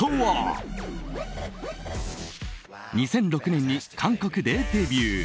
２００６年に韓国でデビュー。